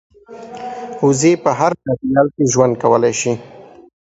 وزې په هر چاپېریال کې ژوند کولی شي